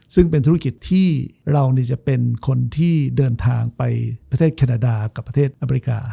ซึ่งเป็นธุรกิจที่เราจะเป็นคนที่เดินทางไปประเทศแคนาดากับประเทศอเมริกา